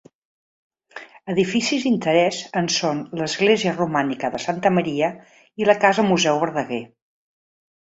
Edificis d'interès en són l'Església romànica de Santa Maria i la Casa Museu Verdaguer.